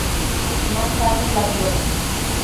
Más tarde, la viola.